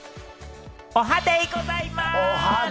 おはデイございます！